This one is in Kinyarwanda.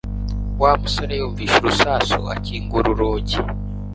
Wa musore yumvise urusasu akingura urugi